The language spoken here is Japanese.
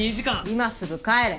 今すぐ帰れ！